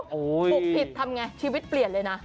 ถูกผิดทำไงชีวิตเปลี่ยนเลยนะ